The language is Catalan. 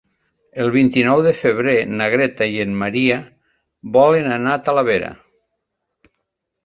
El vint-i-nou de febrer na Greta i en Maria volen anar a Talavera.